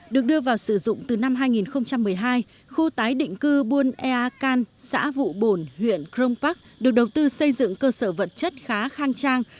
được đưa vào sử dụng từ năm hai nghìn một mươi hai khu tái định cư buôn ea can xã vụ bồn huyện crong park được đầu tư xây dựng cơ sở vật chất khá khang trang